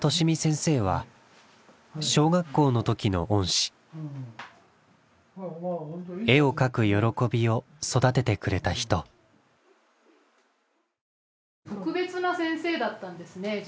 身先生は小学校の時の恩師絵を描く喜びを育ててくれた人特別な先生だったんですね